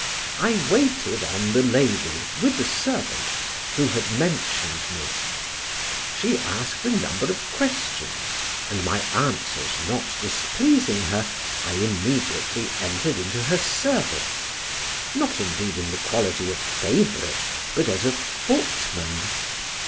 I waited on the lady with the servant; who had mentioned me: she asked a number of questions, and my answers not displeasing her, I immediately entered into her service not, indeed, in the quality of favorite, but as a footman.